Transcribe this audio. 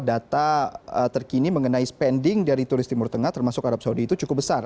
data terkini mengenai spending dari turis timur tengah termasuk arab saudi itu cukup besar